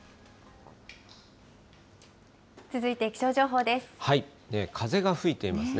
続いて気象情報です。